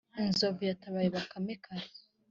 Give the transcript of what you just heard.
inzovu yatabaye bakame kare